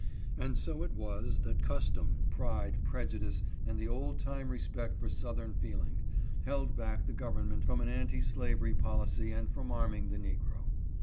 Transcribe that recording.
And so it was that custom, pride, prejudice, and the old time respect for southern feeling, held back the government from an anti slavery policy and from arming the negro.